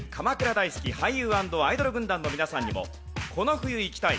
大好き俳優＆アイドル軍団の皆さんにもこの冬行きたい！